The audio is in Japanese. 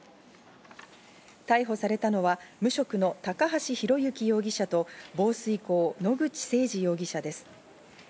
逮捕されたのは無職の高橋広幸容疑者と防水工・野口誠治容疑者です。